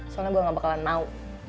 soalnya gue gak bakalan mau